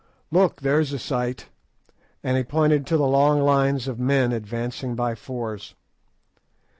Look, there's a sight!" and he pointed to long lines of men advancing by fours.